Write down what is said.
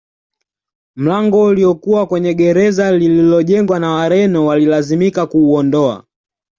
Mlango uliokuwa kwenye gereza lililojengwa na Wareno walilazimika kuuondoa